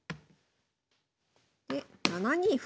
で７二歩。